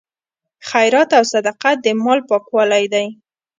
خیرات او صدقه د مال پاکوالی دی.